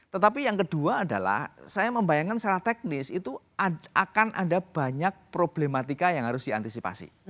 tetapi yang kedua adalah saya membayangkan secara teknis itu akan ada banyak problematika yang harus diantisipasi